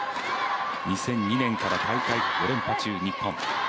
２００２年から大会５連覇中、日本。